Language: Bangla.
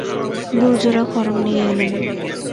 দু জোড়া খড়ম নিয়ে এলেন।